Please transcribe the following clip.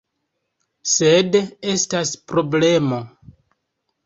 Sed estas... problemo: